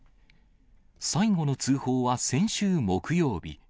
最後の通報は先週木曜日。